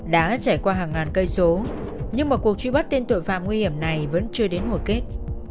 đã trải qua hàng ngàn cây số nhưng mà cuộc truy bắt tên tội phạm nguy hiểm này vẫn chưa đến hồi kết